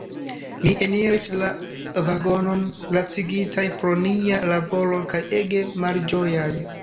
Ni eniris la vagonon lacigitaj pro nia laboro kaj ege malĝojaj.